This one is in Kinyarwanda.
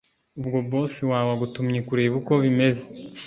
ubwo boss wawe agutumye kureba uko bimeze